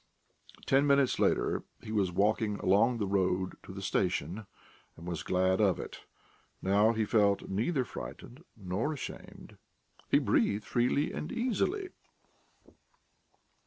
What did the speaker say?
Ten minutes later he was walking along the road to the station, and was glad of it. Now he felt neither frightened nor ashamed; he breathed freely and easily.